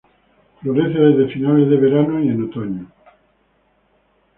Florece desde finales de verano y en otoño.